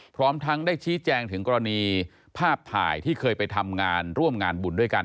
พร้อมทั้งได้ชี้แจงถึงกรณีภาพถ่ายที่เคยไปทำงานร่วมงานบุญด้วยกัน